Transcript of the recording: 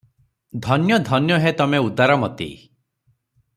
ଧନ୍ୟ ଧନ୍ୟ ହେ, ତମେ ଉଦାରମତି ।